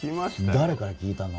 誰から聞いたの？